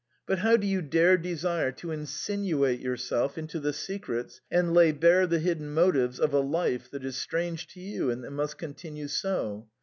But how do you dare desire to insin uate yourself into the secrets and lay bare the hidden motives of a life that is strange to you and that must continue so